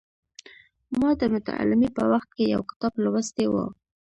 ما د متعلمۍ په وخت کې یو کتاب لوستی و.